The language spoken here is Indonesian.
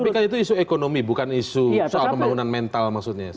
tapi kan itu isu ekonomi bukan isu soal pembangunan mental maksudnya